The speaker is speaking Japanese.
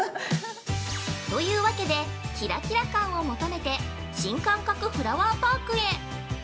◆というわけで、キラキラ感を求めて新感覚フラワーパークへ！